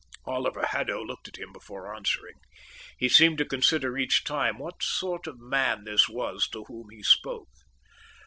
Oliver Haddo looked at him before answering. He seemed to consider each time what sort of man this was to whom he spoke.